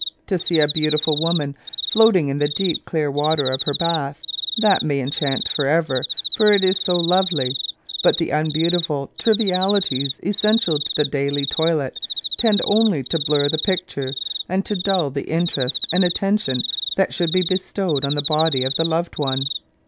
To see a beautiful woman floating in the deep, clear water of her bath — that may enchant for ever, for it is so lovely, but the unbeautiflil trivialities essential to the daily toilet tend only to blur the picture and to dull the interest and attention that should be bestowed on the body of the loved one.